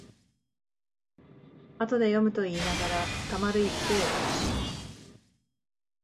後で読むといいながらたまる一方